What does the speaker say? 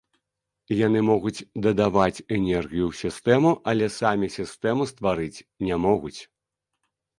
Яны могуць дадаваць энергію ў сістэму, але самі сістэму стварыць не могуць.